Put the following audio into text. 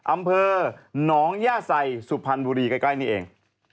อำเภอหนองย่าใส่สุพรรณบุรีใกล้นี่เอง